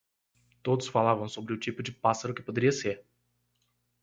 Todos falavam sobre o tipo de pássaro que poderia ser.